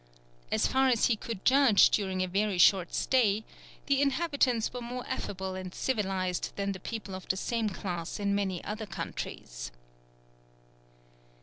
As far as he could judge, during a very short stay, the inhabitants were more affable and civilized than the people of the same class in many other countries.